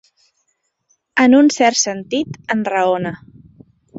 En un cert sentit, enraona.